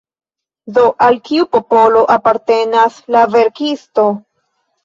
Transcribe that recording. Do, al kiu popolo apartenas la verkisto?